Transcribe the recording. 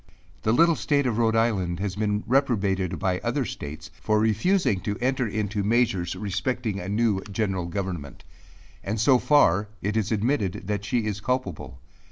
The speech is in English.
The little state of Rhode Island has been reprobated by other states, for refusing to enter into measures respecting a new general government; and so far it is admitted that she is culpable.